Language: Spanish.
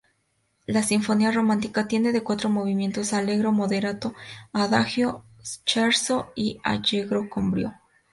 La "Sinfonía Romántica" tiene de cuatro movimientos:"Allegro moderato", "Adagio", "Scherzo" y "Allegro con brío".